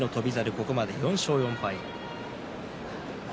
ここまで４勝４敗。